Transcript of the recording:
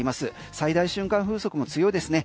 最大瞬間風速も強いですね。